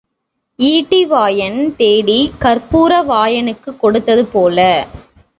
ஈட்டி வாயன் தேடிக் கற்பூர வாயனுக்குக் கொடுத்தது போல.